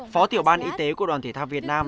phó tiểu ban y tế của đoàn thể thao việt nam